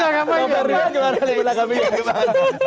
yang pak ferdinand gimana